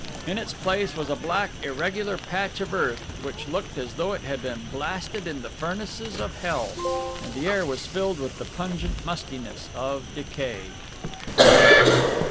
In its place was a black irregular patch of earth which looked as though it had been blasted in the furnaces of hell, and the air was filled with the pungent mustiness of decay.